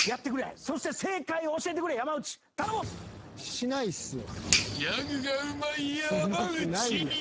しないっすよ。